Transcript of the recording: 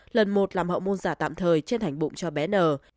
lần một làm hậu môn giả tạm thời trên hành bụng cho bé n